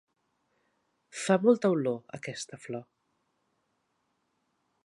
Fa molta olor, aquesta flor.